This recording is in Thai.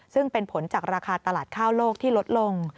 ซึ่งเป็นผลจากราคาตลาดข้าวโลกที่ลดลง